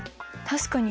確かに。